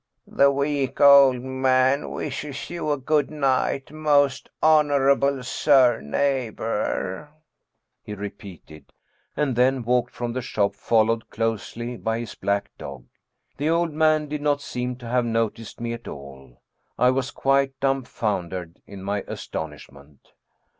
" The weak old man wishes you a good night, most honorable Sir Neighbor," he repeated, and then walked from the shop, followed closely by his black dog. The old 138 Ernest Theodor Amadeus Hoffmann man did not seem to have noticed me at all. I was quite dumfoundered in my astonishment.